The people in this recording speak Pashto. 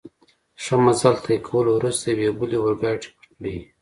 ښه مزل طی کولو وروسته، یوې بلې اورګاډي پټلۍ.